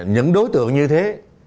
những đối tượng như thế